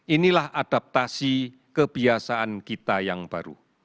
inilah adaptasi kebiasaan kita yang baru